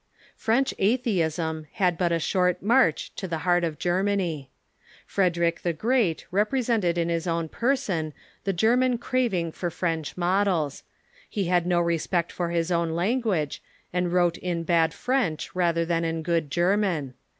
French Atheism had but a short march to the heart of Germany. Frederick the Great represented in his own person the German craving for French models. He had no respect for his own language, and wrote in bad French rather than in good German.